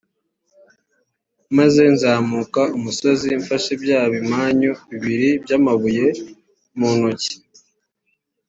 maze nzamuka umusozi mfashe bya bimanyu bibiri by’amabuye mu ntoki.